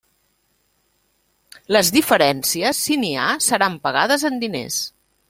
Les diferències, si n'hi ha, seran pagades en diners.